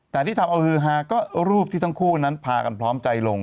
แต่ที่ทำเอาฮือฮาก็รูปที่ทั้งคู่นั้นพากันพร้อมใจลง